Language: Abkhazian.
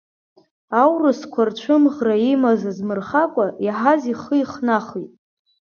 Аурысқәа рцәымӷра имаз азмырхакәа, иаҳаз ихы ихнахит.